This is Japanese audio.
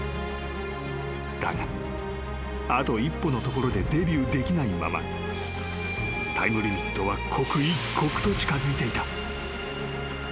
［だがあと一歩のところでデビューできないままタイムリミットは刻一刻と近づいていた］